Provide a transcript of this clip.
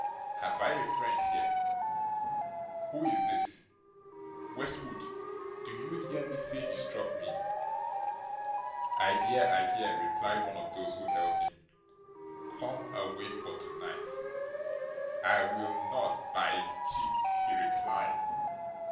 Have I a friend here? Who is this? Westwood. Do you hear me say he struck me?' 'I hear, I hear,' replied one of those who held him. 'Come away for tonight!' 'I will not, by G ,' he replied.